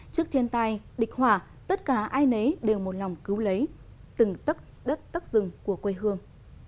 trước thiên tai địch hỏa tất cả ai nấy đều một lòng cứu lấy từng tất đất tất rừng của quê hương